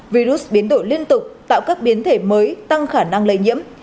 virus biến đổi liên tục tạo các biến thể mới tăng khả năng lây nhiễm